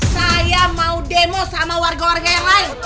saya mau demo sama warga warga yang lain